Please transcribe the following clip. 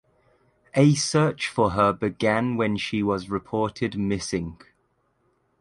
A search for her began when she was reported missing.